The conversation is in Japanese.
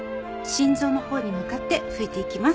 心臓のほうに向かって拭いていきます。